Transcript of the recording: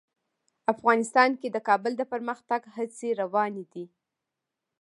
افغانستان کې د کابل د پرمختګ هڅې روانې دي.